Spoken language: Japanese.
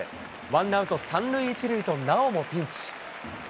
ワンアウト３塁１塁と、なおもピンチ。